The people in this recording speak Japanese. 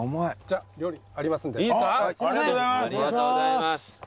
ありがとうございます。